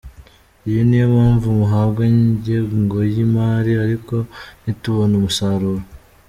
Iyi niyo mpamvu muhabwa ingengo y’imari ariko ntitubone umusaruro”.